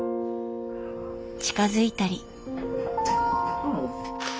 近づいたり。